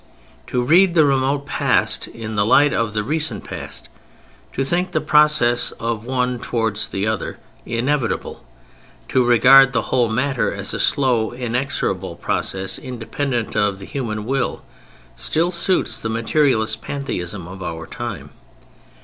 To read the remote past in the light of the recent past; to think the process of the one towards the other "inevitable;" to regard the whole matter as a slow inexorable process, independent of the human will, still suits the materialist pantheism of our time.